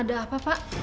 ada apa pak